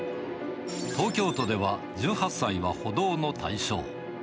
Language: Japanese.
東京都では、１８歳は補導の対象。